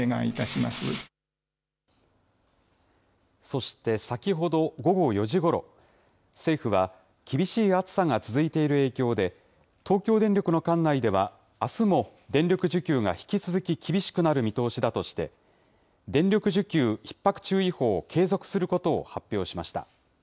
そして、先ほど午後４時ごろ、政府は、厳しい暑さが続いている影響で、東京電力の管内では、あすも電力需給が引き続き厳しくなる見通しだとして、電力需給ひっ迫注意報を継続することを発表しました。